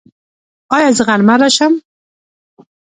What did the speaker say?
ایا زه غرمه راشم؟